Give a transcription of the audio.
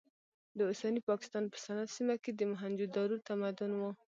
د اوسني پاکستان په سند سیمه کې د موهنجو دارو تمدن و.